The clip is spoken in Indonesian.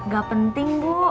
gak penting bu